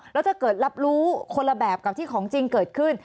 แล้วถ้าเกิดรับรู้คนละแบบกับที่ของจริงเกิดขึ้น